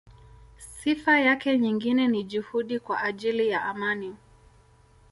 Sifa yake nyingine ni juhudi kwa ajili ya amani.